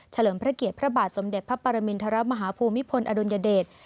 เลิมพระเกียรติพระบาทสมเด็จพระปรมินทรมาฮภูมิพลอดุลยเดช